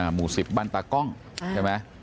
หมู่๑๐บ้านตากล้องใช่ไหม